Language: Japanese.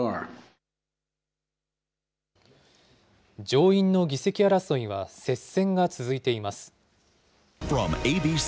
上院の議席争いは接戦が続いています。